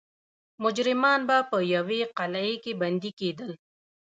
مجرمان به په یوې قلعې کې بندي کېدل.